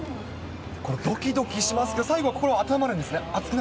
これ、どきどきしますけど、最後は心が温まるんですね。